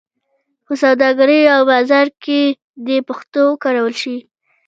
په سوداګرۍ او بازار کې دې پښتو وکارول شي.